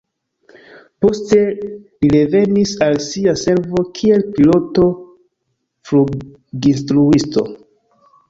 Poste li revenis al sia servo kiel piloto-fluginstruisto.